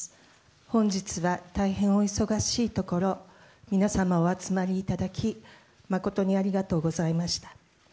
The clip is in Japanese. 本日は大変お忙しいところ皆様お集まりいただき誠にありがとうございました。